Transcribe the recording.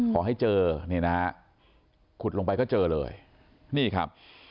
ขอให้เจอขุดลงไปก็เจอเลยนี่ครับ